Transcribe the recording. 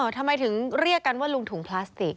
ทำไมถึงเรียกกันว่าลุงถุงพลาสติก